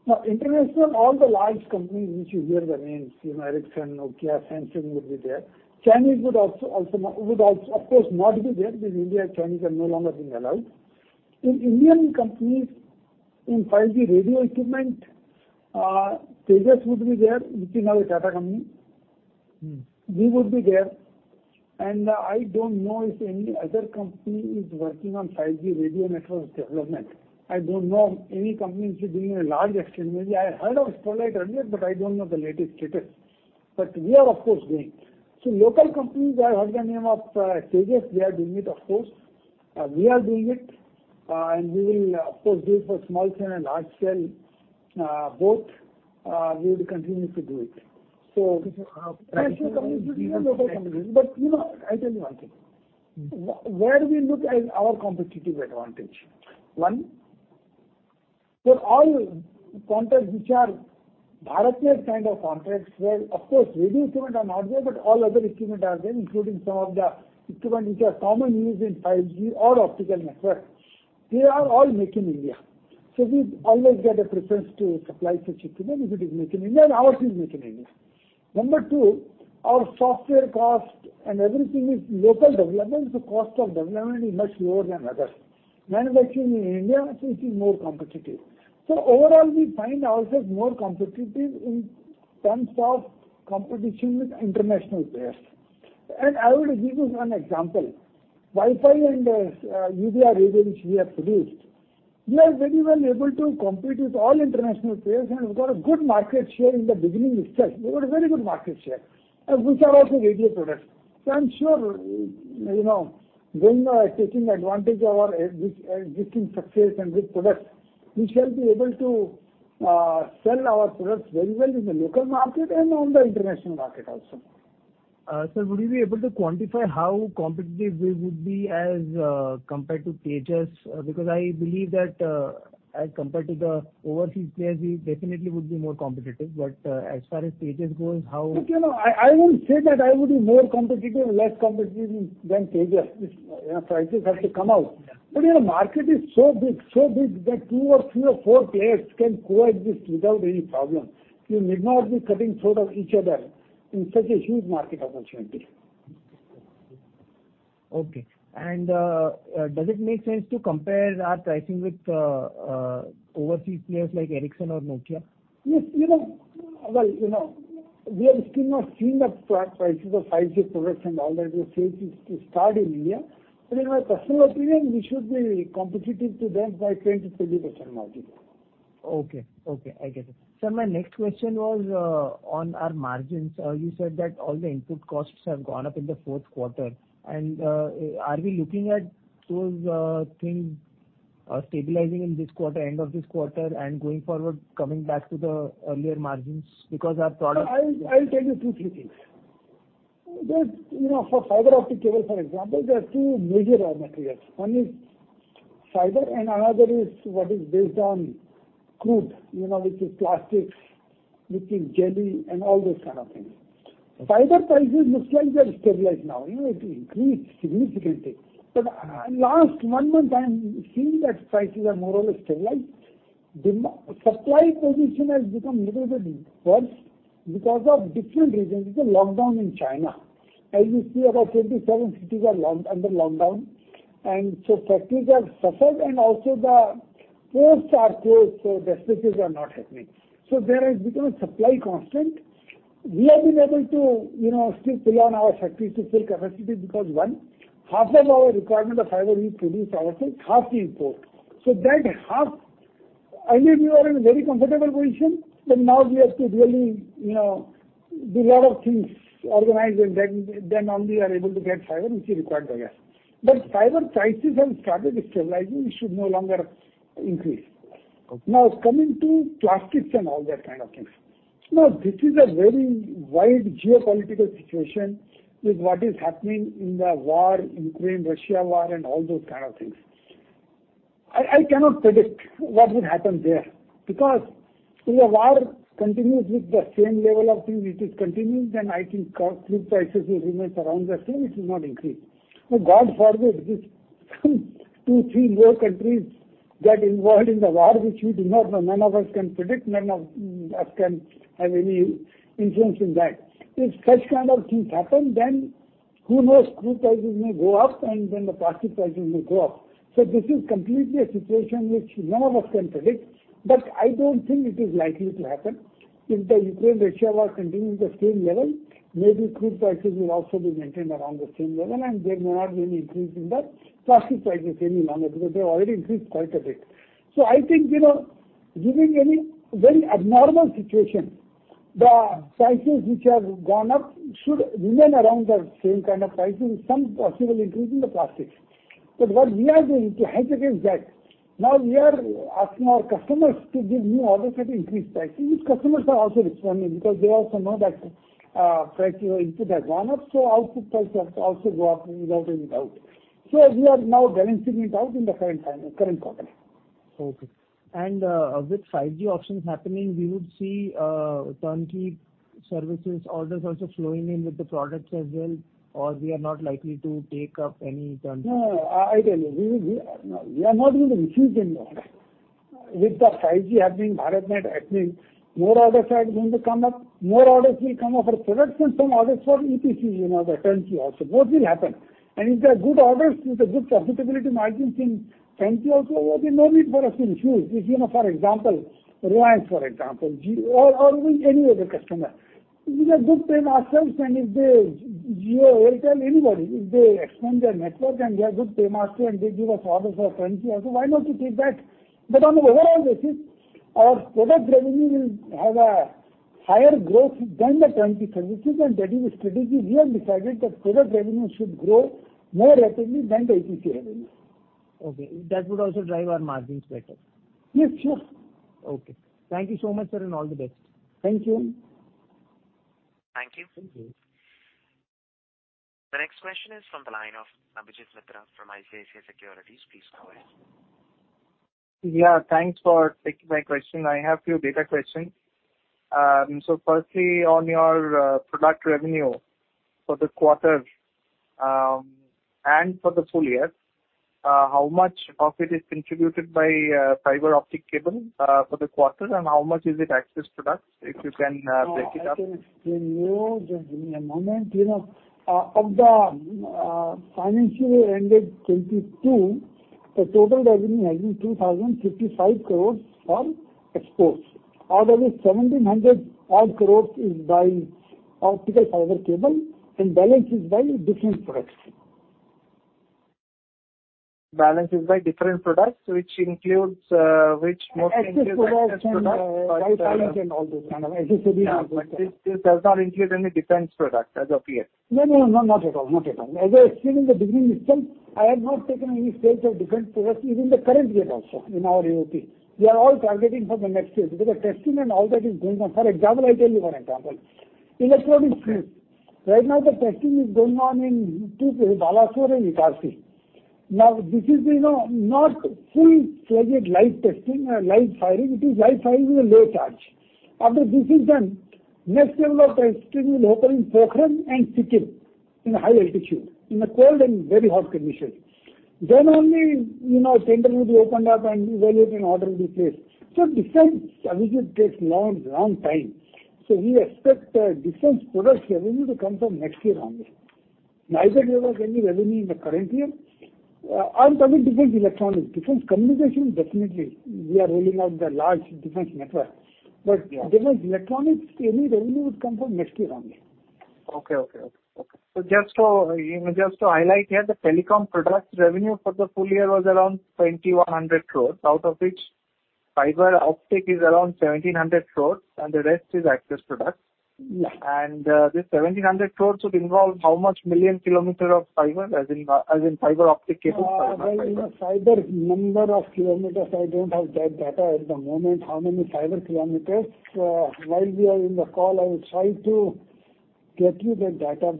Now, international, all the large companies which you hear the names, you know, Ericsson, Nokia, Samsung would be there. Chinese would of course not be there because Indo-Chinese are no longer being allowed. In Indian companies, in 5G radio equipment, Tejas would be there, which is now a Tata company. We would be there. I don't know if any other company is working on 5G radio network development. I don't know of any company which is doing a large experiment. I heard of Sterlite earlier, but I don't know the latest status. We are of course doing. Local companies, I heard the name of Tejas. They are doing it, of course. We are doing it. We will of course do it for small scale and large scale, both. We would continue to do it. You know, I tell you one thing. Where we look at our competitive advantage. One, for all contracts which are BharatNet's kind of contracts, where of course radio equipment are not there, but all other equipment are there, including some of the equipment which are common use in 5G or optical network, they are all Make in India. We always get a preference to supply such equipment if it is Make in India and ours is Make in India. Number two, our software cost and everything is local development, so cost of development is much lower than others. Manufacturing in India, so it is more competitive. Overall, we find ourselves more competitive in terms of competition with international players. I would give you one example. Wi-Fi and UBR radio which we have produced, we are very well able to compete with all international players and we've got a good market share in the beginning itself. We've got a very good market share. Which are also radio products. I'm sure, you know, when taking advantage of our existing success and good products. We shall be able to sell our products very well in the local market and on the international market also. Sir, would you be able to quantify how competitive this would be as compared to Tejas? Because I believe that as compared to the overseas players, we definitely would be more competitive. As far as Tejas goes, how- Look, you know, I wouldn't say that I would be more competitive or less competitive than Tejas. This, you know, prices have to come out. You know, market is so big, so big that two or three or four players can co-exist without any problem. You need not be cutting throat of each other in such a huge market opportunity. Okay. Does it make sense to compare our pricing with overseas players like Ericsson or Nokia? Yes, you know. Well, you know, we have still not seen the prices of 5G products and all that. The sales is to start in India. In my personal opinion, we should be competitive to them by 20%-22% margin. Okay. I get it. Sir, my next question was on our margins. You said that all the input costs have gone up in the Q4. Are we looking at those things stabilizing in this quarter, end of this quarter, and going forward, coming back to the earlier margins? Because our product- No, I'll tell you two, three things. You know, for fiber optic cable, for example, there are two major raw materials. One is fiber, and another is what is based on crude, you know, which is plastics, which is jelly, and all those kind of things. Fiber prices look like they're stabilized now. You know, it increased significantly. Last one month, I am seeing that prices are more or less stabilized. Supply position has become little bit worse because of different reasons. The lockdown in China. As you see, about 27 cities are under lockdown. Factories have suffered, and also the ports are closed, so the ships are not happening. There has become a supply constraint. We have been able to, you know, still pull on our factories to full capacity because, one, half of our requirement of fiber we produce ourselves, half we import. That half, earlier we were in a very comfortable position, but now we have to really, you know, do lot of things, organize and then only we are able to get fiber which is required by us. Fiber prices have started stabilizing. It should no longer increase. Okay. Now, coming to plastics and all that kind of things. This is a very wide geopolitical situation with what is happening in the war, Ukraine-Russia war, and all those kind of things. I cannot predict what would happen there because if the war continues with the same level of things it is continuing, then I think crude prices will remain around the same. It will not increase. But God forbid, if some two, three more countries get involved in the war, which we do not know, none of us can predict, none of us can have any influence in that. If such kind of things happen, then who knows, crude prices may go up, and then the plastic prices may go up. This is completely a situation which none of us can predict, but I don't think it is likely to happen. If the Ukraine-Russia war continue the same level, maybe crude prices will also be maintained around the same level and there may not be any increase in the plastic prices any longer, because they've already increased quite a bit. I think, you know, given any very abnormal situation, the prices which have gone up should remain around the same kind of pricing, some possible increase in the plastics. What we are doing to hedge against that, now we are asking our customers to give new orders at increased prices, which customers are also responding because they also know that, price, you know, input has gone up, so output price has to also go up without any doubt. We are now balancing it out in the current time, current quarter. Okay. With 5G auctions happening, we would see turnkey services orders also flowing in with the products as well, or we are not likely to take up any turnkey? No, I tell you. We are not going to refuse any order. With the 5G happening, BharatNet happening, more orders are going to come up. More orders will come up for products and some orders for EPC, you know, the turnkey also. Both will happen. If they're good orders with a good profitability margins in turnkey also, there'll be no need for us to refuse. If, you know, for example, Reliance, for example, or with any other customer. We are good payers ourselves, and if they Jio, Airtel, anybody, if they expand their network and we are good payers also and they give us orders for turnkey also, why not to take that? On an overall basis, our product revenue will have a higher growth than the turnkey services, and that is the strategy. We have decided that product revenue should grow more rapidly than the EPC revenue. Okay. That would also drive our margins better. Yes, sure. Okay. Thank you so much, sir, and all the best. Thank you. Thank you. Thank you. The next question is from the line of Abhijit Mitra from ICICI Securities. Please go ahead. Yeah, thanks for taking my question. I have few data questions. Firstly, on your product revenue for the quarter and for the full year, how much of it is contributed by fiber optic cable for the quarter, and how much is it access products? If you can break it up. Oh, I can explain those. Give me a moment. You know, of the financial year ended 2022, the total revenue has been 2,055 crores for exports. Out of it 1,700 odd crores is by optical fiber cable, and balance is by different products. Balance is by different products, which mostly includes products. Access products and, fiber and all those kind of. As I said in my opening remarks. Yeah, it does not include any defense products, as of yet? No. Not at all. As I explained in the beginning itself, I have not taken any sales of defense products, even the current year also in our AOP. We are all targeting for the next year, because the testing and all that is going on. For example, I tell you one example. Electronic Fuzes. Right now the testing is going on in two places, Balasore and Itarsi. Now this is, you know, not full-fledged live testing, live firing. It is live firing with a low charge. After this is done, next level of testing will occur in Pokhran and Sikkim, in a high altitude, in a cold and very hot condition. Then only, you know, tender will be opened up and evaluated and order will be placed. Defense usually takes long time, so we expect defense products revenue to come from next year only. Neither there was any revenue in the current year. I'm talking defense electronics. Defense communication, definitely. We are rolling out the large defense network. But defense electronics, any revenue would come from next year only. Okay. Just to, you know, just to highlight here, the telecom products revenue for the full year was around 2,100 crores, out of which fiber optic is around 1,700 crores and the rest is access products. Yeah. This 1,700 crores would involve how many million kilometers of fiber, as in fiber optic cables? Well, you know, fiber number of kilometers, I don't have that data at the moment, how many fiber kilometers. While we are in the call, I will try to get you that data. I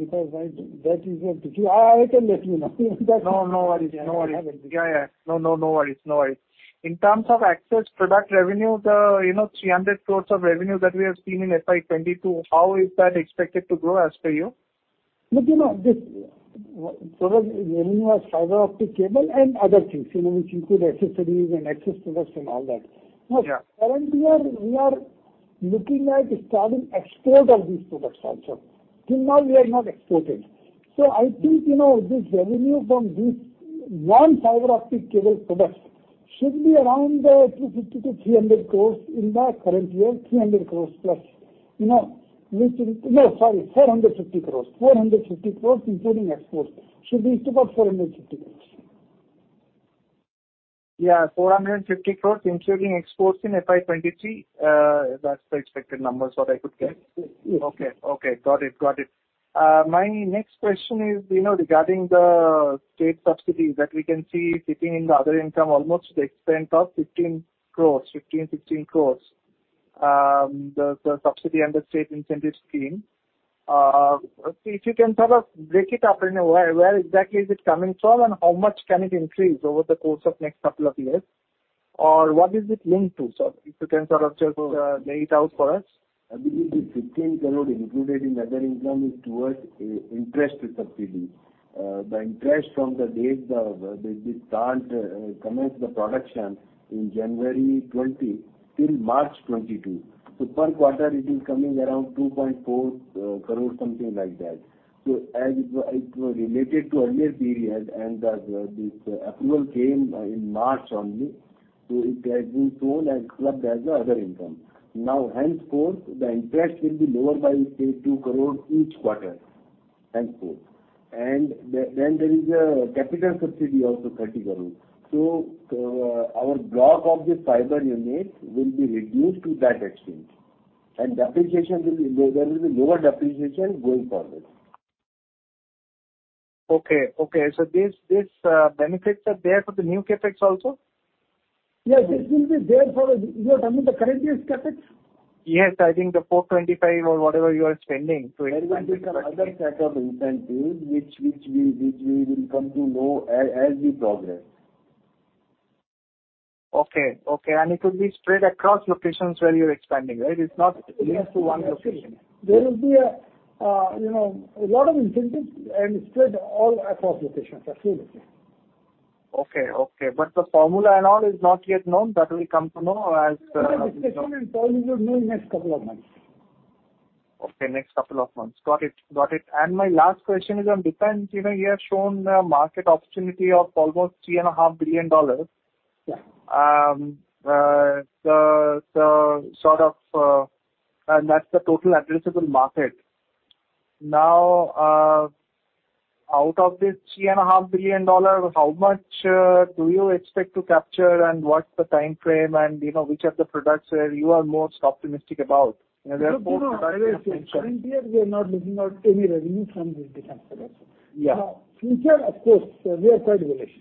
can let you know. No, no worries. No worries. Yeah. Yeah. No worries. In terms of access product revenue, you know, the 300 crore of revenue that we have seen in FY 2022, how is that expected to grow as per you? Look, you know, this product revenue are fiber optic cable and other things, you know, which include accessories and access products and all that. Yeah. Currently we are looking at starting export of these products also. Till now we are not exporting. I think, you know, this revenue from this one fiber optic cable product should be around 250-300 crores in the current year, 300 crores plus. You know, 450 crores. 450 crores including exports. Should be about 450 crores. Yeah, 450 crore including exports in FY 2023. That's the expected numbers that I could get. Yes. Okay. Got it. My next question is, you know, regarding the state subsidy that we can see sitting in the other income almost to the extent of 15 crore, the subsidy under state incentive scheme. If you can sort of break it up, you know, where exactly is it coming from, and how much can it increase over the course of next couple of years? Or what is it linked to? If you can sort of just lay it out for us. I believe this 15 crore included in other income is towards interest subsidy. The interest from the date we commence the production in January 2020 till March 2022. Per quarter it is coming around 2.4 crore, something like that. As it was related to earlier period and this approval came in March only, it has been shown and clubbed as other income. Now henceforth, the interest will be lower by, say, 2 crore each quarter henceforth. Then there is a capital subsidy also, 30 crore. Our block of the fiber unit will be reduced to that extent. Depreciation will be low. There will be lower depreciation going forward. Okay. These benefits are there for the new CapEx also? Yes, this will be there. You are telling the current year's CapEx? Yes, I think the 425 or whatever you are spending, so. There will be some other set of incentives which we will come to know as we progress. Okay. It will be spread across locations where you're expanding, right? It's not limited to one location. There will be a, you know, a lot of incentives and spread all across locations. Absolutely. Okay. The formula and all is not yet known. That we'll come to know as, you know. Formula and decision and all you will know in next couple of months. Okay, next couple of months. Got it. My last question is on defense. You know, you have shown a market opportunity of almost $3.5 billion. Yeah. That's the total addressable market. Now, out of this $3.5 billion, how much do you expect to capture, and what's the timeframe, and you know, which are the products you are most optimistic about? You know, there are four products. Look, you know, I will say current year we are not looking at any revenue from these defense products. Yeah. Now, future, of course, we are quite bullish.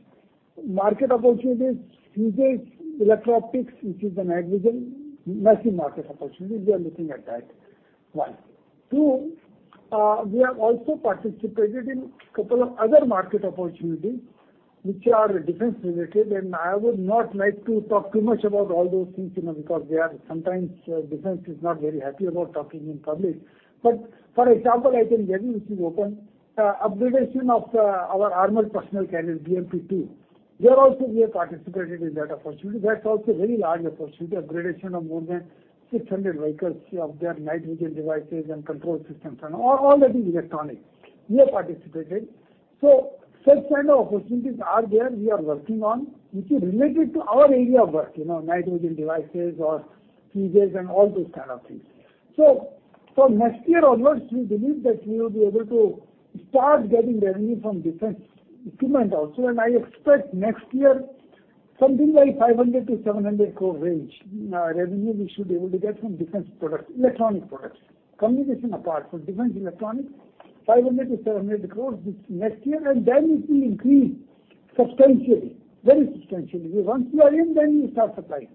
Market opportunities, fuses, electro-optics, which is the night vision, massive market opportunity. We are looking at that. One. Two, we have also participated in couple of other market opportunities which are defense related, and I would not like to talk too much about all those things, you know, because they are sometimes, defense is not very happy about talking in public. But for example, I can tell you, since you opened, upgradation of, our armored personnel carrier, BMP-2. There also we have participated in that opportunity. That's also a very large opportunity, upgradation of more than 600 vehicles of their night vision devices and control systems and all that is electronic. We have participated. Such kind of opportunities are there, we are working on, which is related to our area of work. You know, night vision devices or fuzes and all those kind of things. From next year onwards, we believe that we will be able to start getting revenue from defense equipment also. I expect next year something like 500-700 crore range, revenue we should be able to get from defense products, electronic products. Communication apart from defense electronics. 500-700 crores this next year, and then it will increase substantially, very substantially. Because once you are in, then you start supplying.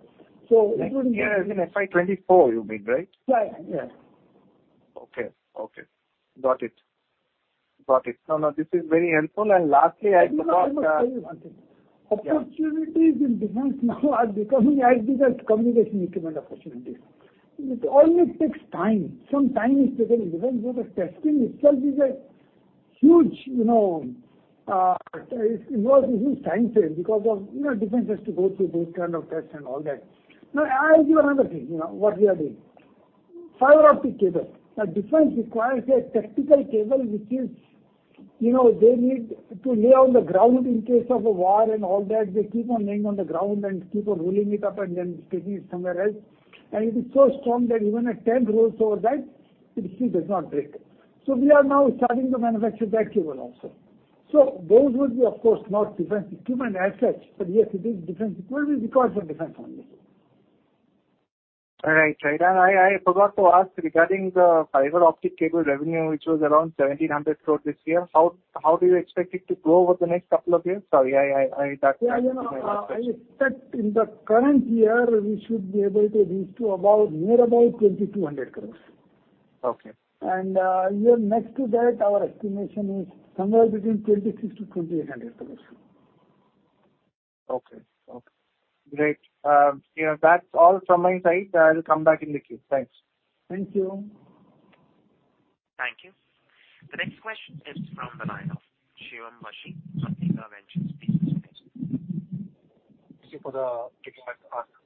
It would Next year, I mean FY 2024, you mean, right? Yeah, yeah. Okay. Got it. No, this is very helpful. Lastly, I forgot, Let me tell you one thing. Yeah. Opportunities in defense now are becoming as big as communication equipment opportunities. It only takes time. Some time is taken in defense because the testing itself is a huge, you know, it involves a huge time frame because of, you know, defense has to go through those kind of tests and all that. Now, I'll give you another thing, you know, what we are doing. Fiber optic cable. Now, defense requires a tactical cable, which is, you know, they need to lay on the ground in case of a war and all that. They keep on laying on the ground and keep on rolling it up and then taking it somewhere else. It is so strong that even a tank rolls over that, it still does not break. We are now starting to manufacture that cable also. Those will be, of course, not defense equipment as such, but yes, it is defense equipment because the defense only. Right. I forgot to ask regarding the fiber optic cable revenue, which was around 1,700 crore this year. How do you expect it to grow over the next couple of years? Sorry, that- Yeah. You know, I expect in the current year, we should be able to reach to about near about 2,200 crores. Okay. Yeah, next to that, our estimation is somewhere between 2,600 crores-2,800 crores. Okay. Great. Yeah, that's all from my side. I will come back in the queue. Thanks. Thank you. Thank you. The next question is from the line of Shivam Vashi, Kotak Ventures PMS. Thank you for giving us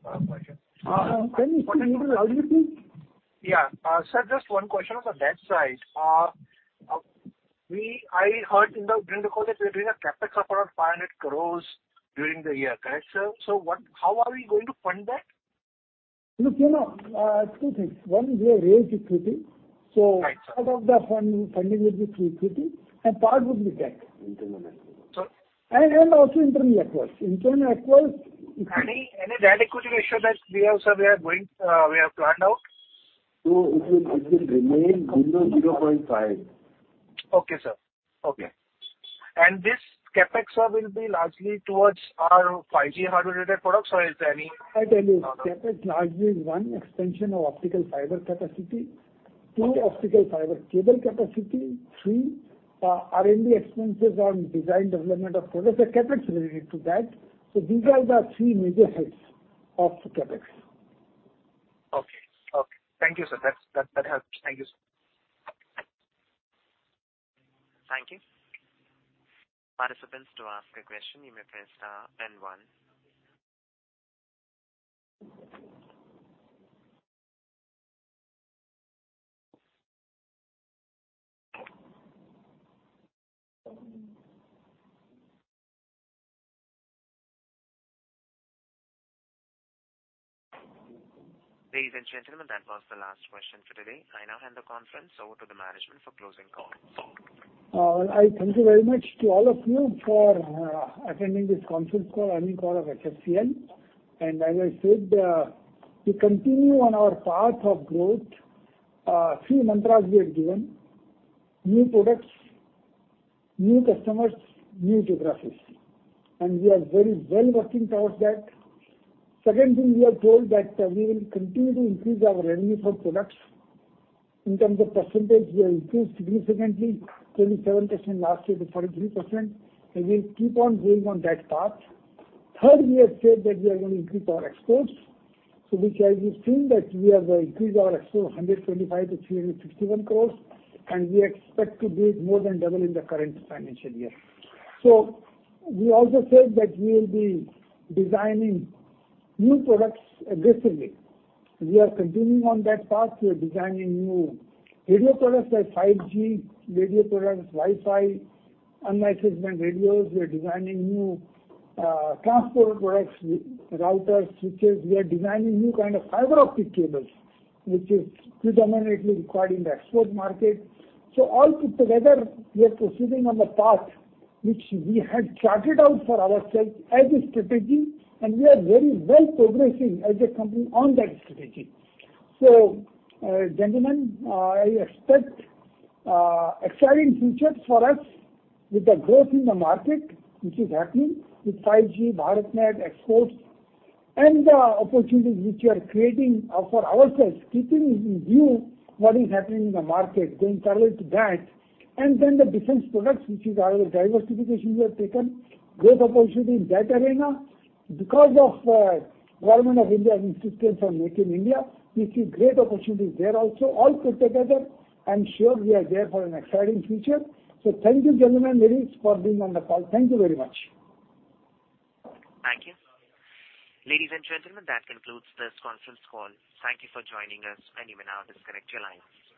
a question. Tell me, what did you say? How did you say? Yeah. Sir, just one question on the debt side. I heard during the call that you're doing a CapEx of around 500 crore during the year. Correct, sir? How are we going to fund that? Look, you know, two things. One, we have raised equity. Right, sir. Part of the funding will be through equity, and part would be debt. Internal and external. also internal accruals. Any debt equity ratio that we have, sir, we are going, we have to hand out? No, it will remain below 0.5. Okay, sir. This CapEx, sir, will be largely towards our 5G hardware related products or is there any? I tell you. Okay. CapEx largely is one, expansion of optical fiber capacity. Two, optical fiber cable capacity. Three, R&D expenses on design development of products. The CapEx is related to that. These are the three major heads of CapEx. Okay. Thank you, sir. That helps. Thank you, sir. Thank you. Participants, to ask a question, you may press star and one. Ladies and gentlemen, that was the last question for today. I now hand the conference over to the management for closing comments. I thank you very much to all of you for attending this conference call, earnings call of HFCL. As I said, to continue on our path of growth, three mantras we have given, new products, new customers, new geographies. We are very well working towards that. Second thing we have told that we will continue to increase our revenue from products. In terms of percentage, we have increased significantly, 27% last year to 43%. We'll keep on going on that path. Third, we have said that we are going to increase our exports. Which as you've seen that we have increased our exports 125 crores-361 crores, and we expect to be more than double in the current financial year. We also said that we will be designing new products aggressively. We are continuing on that path. We are designing new radio products like 5G radio products, Wi-Fi, unlicensed band radios. We are designing new, transport products, routers, switches. We are designing new kind of fiber optic cables, which is predominantly required in the export market. All put together, we are proceeding on the path which we had charted out for ourselves as a strategy, and we are very well progressing as a company on that strategy. Gentlemen, I expect, exciting future for us with the growth in the market which is happening with 5G, BharatNet exports and the opportunities which we are creating, for ourselves, keeping in view what is happening in the market, going parallel to that. Then the defense products, which is our diversification we have taken, great opportunity in that arena. Because of government of India's insistence on Make in India, we see great opportunities there also. All put together, I'm sure we are there for an exciting future. Thank you, gentlemen, ladies, for being on the call. Thank you very much. Thank you. Ladies and gentlemen, that concludes this conference call. Thank you for joining us, and you may now disconnect your lines.